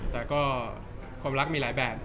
แต่ก็ความรักมีหลายแบบ